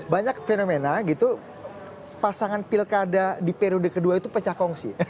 banyak fenomena gitu pasangan pilkada di periode kedua itu pecah kongsi